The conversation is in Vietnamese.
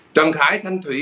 trần khải thanh thủy